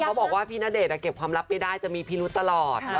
เขาบอกว่าพี่ณเดชน์เก็บความลับไม่ได้จะมีพิรุธตลอด